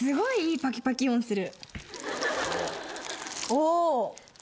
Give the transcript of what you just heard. お！